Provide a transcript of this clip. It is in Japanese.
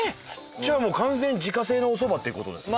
じゃあもう完全に自家製のおそばっていう事ですか？